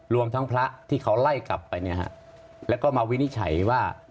รวมทั้งพระที่เขาไล่กลับไปเนี่ยฮะแล้วก็มาวินิจฉัยว่า